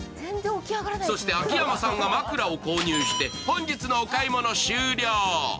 秋山さんが枕を購入して本日のお買い物終了。